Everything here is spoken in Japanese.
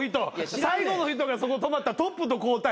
最後の人がそこ止まったらトップと交代。